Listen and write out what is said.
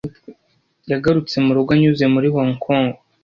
Yagarutse mu rugo anyuze muri Hong Kong.